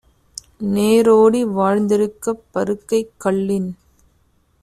நேரோடி வாழ்ந்திருக்கப் பருக்கைக் கல்லின்